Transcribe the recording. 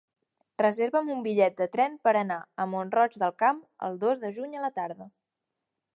Reserva'm un bitllet de tren per anar a Mont-roig del Camp el dos de juny a la tarda.